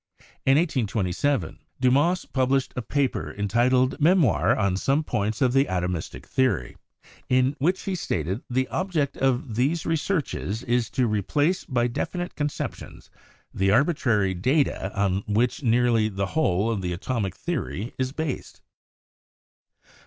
In 1827, Dumas pub lished a paper entitled "Memoir on some points of the atomistic theory," in which he stated that "The object of these researches is to replace by definite conceptions the arbitrary data on which nearly the whole of the atomic theory is based."